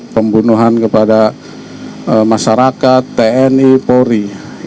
pembunuhan kepada masyarakat tni polri